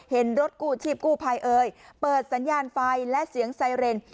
เห็นรถกู้ชีพกู้ภัยเอ่ยเปิดสัญญาณไฟและเสียงไซเรน